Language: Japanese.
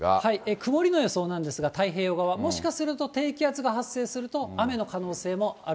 曇りの予想なんですが、太平洋側、もしかすると低気圧が発生すると、雨の可能性もある。